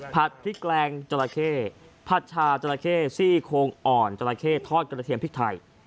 พริกแกงจราเข้ผัดชาจราเข้ซี่โคงอ่อนจราเข้ทอดกระเทียมพริกไทย